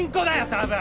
多分。